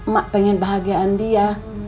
mak pengen bahagiaan dia